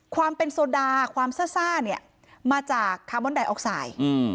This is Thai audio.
ความเป็นโซดาความซ่าเนี่ยมาจากคาร์บอนไดออกไซด์